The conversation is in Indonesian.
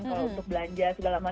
kalau untuk belanja sudah lama